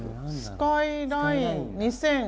「スカイライン２０００ＧＴ−Ｒ」。